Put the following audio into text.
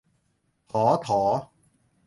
ฐอ ถอ